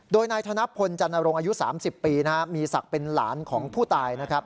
โดยนายธนพลจันรงค์อายุ๓๐ปีมีศักดิ์เป็นหลานของผู้ตายนะครับ